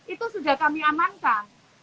itu sudah kami amankan